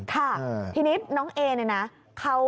ค่ะทีนี้น้องเอเนี่ยนะ